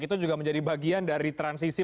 itu juga menjadi bagian dari transisi